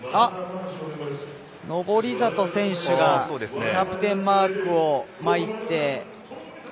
登里選手がキャプテンマークを巻いて。